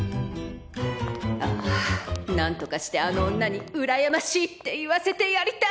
ああなんとかしてあの女に「うらやましい！」って言わせてやりたい。